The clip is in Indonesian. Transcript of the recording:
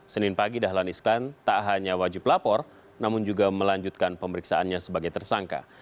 senin pagi dahlan iskan tak hanya wajib lapor namun juga melanjutkan pemeriksaannya sebagai tersangka